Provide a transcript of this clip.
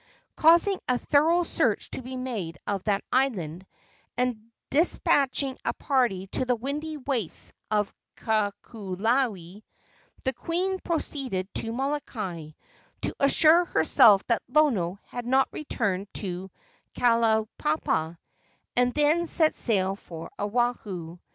Causing a thorough search to be made of that island, and despatching a party to the windy wastes of Kahoolawe, the queen proceeded to Molokai, to assure herself that Lono had not returned to Kalaupapa, and then set sail for Oahu.